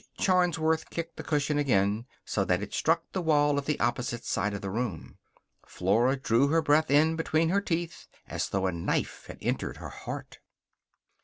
Charnsworth kicked the cushion again so that it struck the wall at the opposite side of the room. Flora drew her breath in between her teeth as though a knife had entered her heart.